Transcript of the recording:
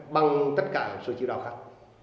bằng tất cả số chữ đạo khác